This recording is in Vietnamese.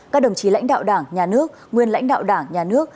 các đồng chí lãnh đạo đảng nhà nước nguyên lãnh đạo đảng nhà nước